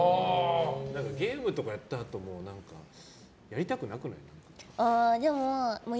ゲームとかやったあとやりたくなくない？